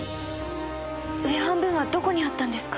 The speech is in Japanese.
上半分はどこにあったんですか？